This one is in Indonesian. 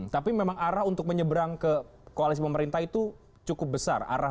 tapi memang arah untuk menyeberang ke koalisi pemerintah itu cukup besar